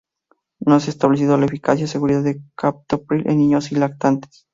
No se ha establecido la eficacia y seguridad de captopril en niños y lactantes.